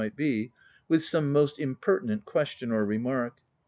117 might be,) with some most impertinent question or remark.